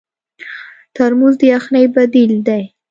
ترموز د یخنۍ بدیل دی.